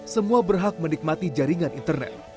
semua berhak menikmati jaringan internet